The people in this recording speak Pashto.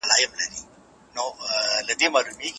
وصفونه د یو شخص پیژندګلوي اسانه کوي.